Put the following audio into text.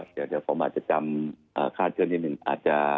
เดี๋ยวผมอาจจะจำค่าช่วยนิดหนึ่งอาจจะ